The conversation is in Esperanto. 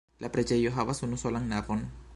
La preĝejo havas unusolan navon.